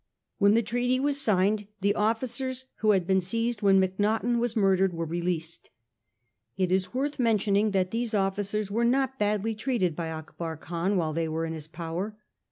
When the treaty was signed, the officers who had been seized when Macnaghten was murdered were released. It is worth mentioning that these officers were not badly treated by Akbar Khan while they were in his power.